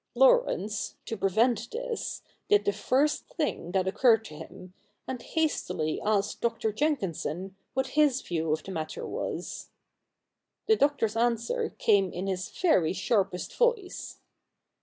Laurence, to prevent this, did the first thing that occurred to him, and hastily asked Dr. Jenkinson what his view of the matter was. The Doctor's answer came in his very sharpest voice.